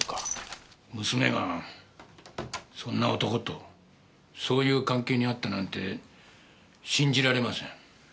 娘がそんな男とそういう関係にあったなんて信じられません。